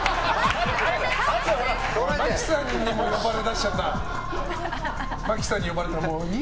真木さんにも呼ばれだしちゃった。